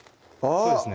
そうですね